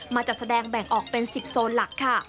จัดแสดงแบ่งออกเป็น๑๐โซนหลักค่ะ